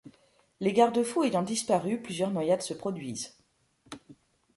Les garde-fous ayant disparu, plusieurs noyades se produisent.